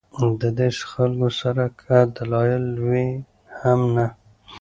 د داسې خلکو سره کۀ دلائل وي هم نۀ